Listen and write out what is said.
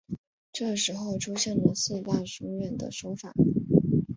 这时候出现了四大书院的说法。